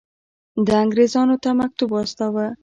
ده انګرېزانو ته مکتوب واستاوه.